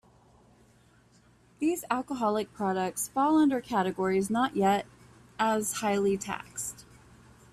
These alcoholic products fall under categories not yet as highly taxed.